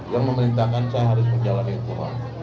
yang memerintahkan saya harus menjalani ukuran